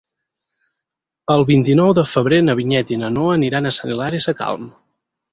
El vint-i-nou de febrer na Vinyet i na Noa aniran a Sant Hilari Sacalm.